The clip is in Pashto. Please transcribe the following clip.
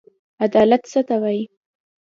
عدالت څه ته وايي.